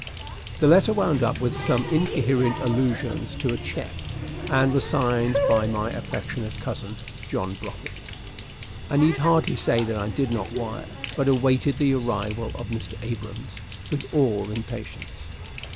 The letter wound up with some incoherent allusions to a check, and was signed by my affectionate cousin, John Brocket. I need hardly say that I did not wire, but awaited the arrival of Mr. Abrahams with all impatience.